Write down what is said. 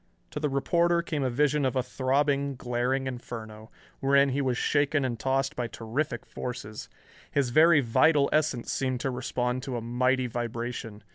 To the reporter came a vision of a throbbing, glaring inferno, wherein he was shaken and tossed by terrific forces. His very vital essence seemed to respond to a mighty vibration.